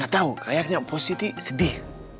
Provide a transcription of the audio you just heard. gak tau kayaknya pos siti sedih